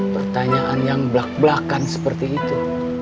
pertanyaan yang belak belakan seperti itu